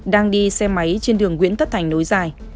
đang đi xe máy trên đường nguyễn tất thành nối dài